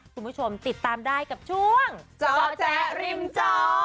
คุณผู้ชมติดตามได้กับช่วงเจาะแจ๊ริมจอ